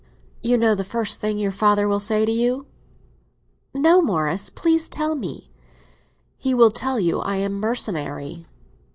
Do you know the first thing your father will say to you?" "No, Morris; please tell me." "He will tell you I am mercenary."